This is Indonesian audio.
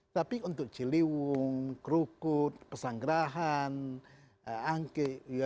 tapi untuk ciliwung kerukut pesanggerahan angkis